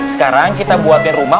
sekarang kita buatin rumah